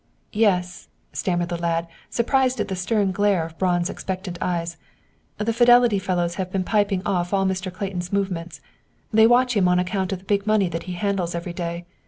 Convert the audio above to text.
"Yes," stammered the lad, surprised at the stern glare of Braun's expectant eyes. "The Fidelity fellows have been piping off all Mr. Clayton's movements. They watch him on account of the big money that he handles every day.